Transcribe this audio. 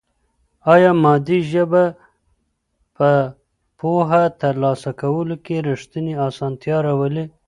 آیا مادي ژبه په پوهه ترلاسه کولو کې رښتینې اسانتیا راولي؟